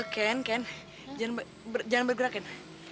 ken ken jangan bergerak ya